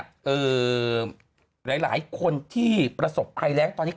หลายคนที่ประสบภัยแรงตอนนี้